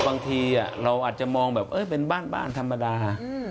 บางทีเราอาจจะมองแบบเป็นบ้านธรรมดา